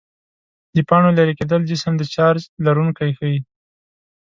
د پاڼو لیري کېدل جسم د چارج لرونکی ښيي.